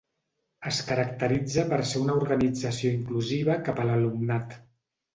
Es caracteritza per ser una organització inclusiva cap a l'alumnat.